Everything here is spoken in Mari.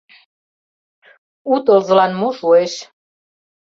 У тылзылан мо шуэш?!